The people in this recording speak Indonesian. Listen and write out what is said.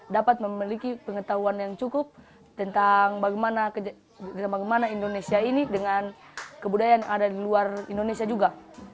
dapat memiliki pengetahuan yang cukup tentang bagaimana indonesia ini dengan kebudayaan yang ada di luar indonesia juga